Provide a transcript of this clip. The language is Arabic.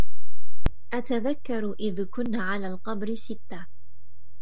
أتذكر إذ كنا على القبر ستة